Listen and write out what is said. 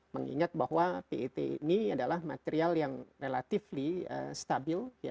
mengingat bahwa pet ini adalah material yang relatif stabil